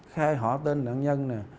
khai họ tên nạn nhân nè